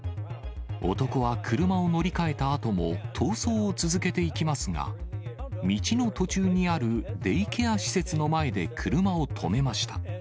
男は車を乗り換えたあとも、逃走を続けていきますが、道の途中にあるデイケア施設の前で車を止めました。